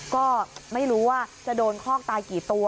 ก็ไม่รู้ว่าจะโดนคอกตายกี่ตัว